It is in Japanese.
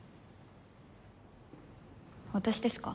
私ですか？